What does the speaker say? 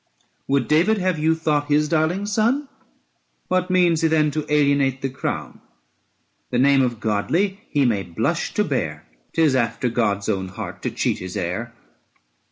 Would David have you thought his darling son? What means he then to alienate the crown? The name of godly he may blush to bear; 435 'Tis after God's own heart to cheat his heir.